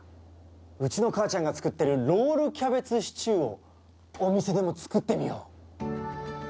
うちの母ちゃんが作ってるロールキャベツシチューをお店でも作ってみよう。